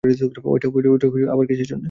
ঐটা কিসের জন্য?